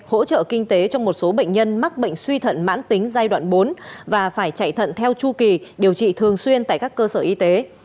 hỗ trợ kinh tế cho một số bệnh nhân mắc bệnh suy thận mãn tính giai đoạn bốn và phải chạy thận theo chu kỳ điều trị thường xuyên tại các cơ sở y tế